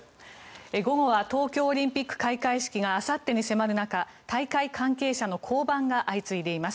午後は東京オリンピック開会式があさってに迫る中大会関係者の降板が相次いでいます。